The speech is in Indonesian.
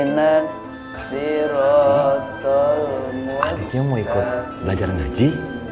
masih adiknya mau ikut belajar ngaji